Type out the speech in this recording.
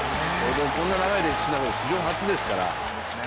こんな長い歴史で史上初ですから。